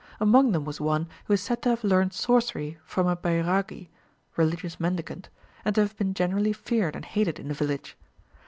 Among them was one, who is said to have learnt sorcery from a Bairagi (religious mendicant), and to have been generally feared and hated in the village.